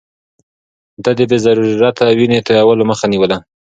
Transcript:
ده د بې ضرورته وينې تويولو مخه نيوله.